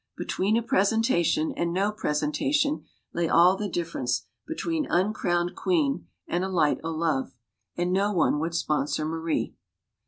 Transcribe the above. Between a presentation and no presentation lay all the difference between uncrowned queen and a light o' love. And no one would sponsor Marie.